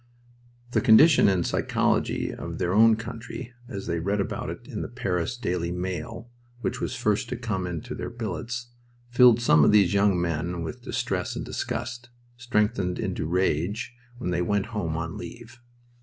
V The condition and psychology of their own country as they read about it in the Paris Daily Mail, which was first to come into their billets, filled some of these young men with distress and disgust, strengthened into rage when they went home on leave.